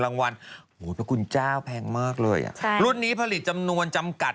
รางวัลโอ้โหพระคุณเจ้าแพงมากเลยอ่ะค่ะรุ่นนี้ผลิตจำนวนจำกัด